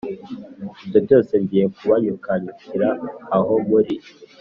ibyo byose ngiye kubanyukanyukira aho muri,